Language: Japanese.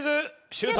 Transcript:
シュート！